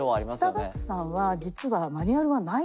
スターバックスさんは実はマニュアルはないんですね。